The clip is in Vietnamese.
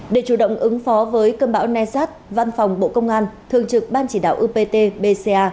để chủ động ứng phó với cơn bão nasat văn phòng bộ công an thường trực ban chỉ đạo upt bca